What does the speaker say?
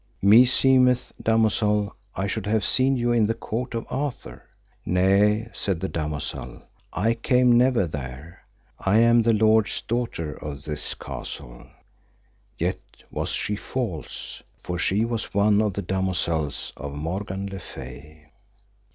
Meseemeth, damosel, I should have seen you in the court of Arthur. Nay said the damosel, I came never there, I am the lord's daughter of this castle. Yet was she false, for she was one of the damosels of Morgan le Fay.